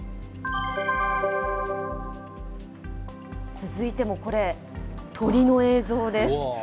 続いてもこれ、鳥の映像です。